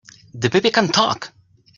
The baby can TALK!